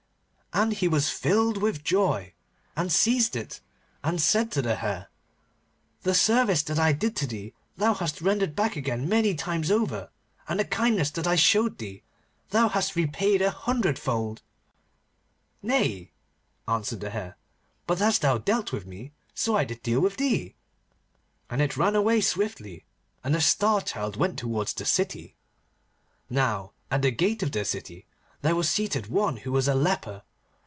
And he was filled with joy, and seized it, and said to the Hare, 'The service that I did to thee thou hast rendered back again many times over, and the kindness that I showed thee thou hast repaid a hundred fold.' 'Nay,' answered the Hare, 'but as thou dealt with me, so I did deal with thee,' and it ran away swiftly, and the Star Child went towards the city. Now at the gate of the city there was seated one who was a leper.